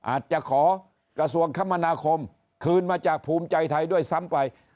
อาจจะขอกระทรวงคมนาคมคืนมาจากภูมิใจไทยด้วยซ้ำไป